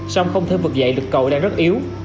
song không thêm vượt dậy lực cầu đang rất yếu